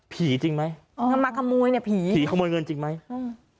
จริงไหมอ๋อคือมาขโมยเนี้ยผีผีขโมยเงินจริงไหมอืม